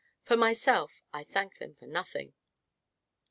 For myself, I thank them for nothing!"